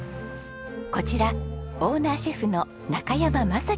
こちらオーナーシェフの中山正樹さん。